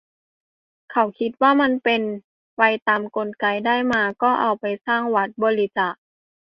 เขาคิดว่ามันเป็นไปตามกลไก ได้มาก็เอาไปสร้างวัด บริจาค